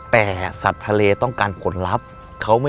แต่สัตว์ทะเลต้องการผลลัพธ์